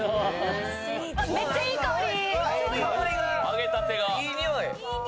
めっちゃいい香り。